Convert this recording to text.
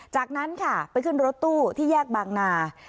จากนั้นค่ะไปขึ้นรถตู้ที่แยกบางนา